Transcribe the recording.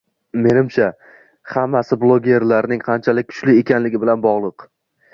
Menimcha, hammasi bloggerlarning qanchalik kuchli ekanligi bilan bog'liq 😜